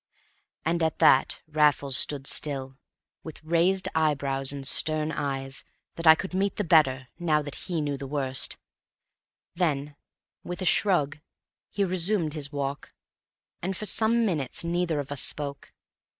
And at that Raffles stood still, with raised eyebrows and stern eyes that I could meet the better now that he knew the worst; then, with a shrug, he resumed his walk, and for some minutes neither of us spoke.